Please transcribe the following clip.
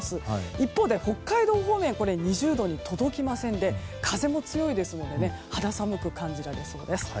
一方で北海道方面２０度に届きませんで風も強いですので肌寒く感じられそうです。